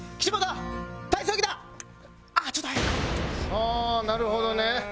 ああなるほどね。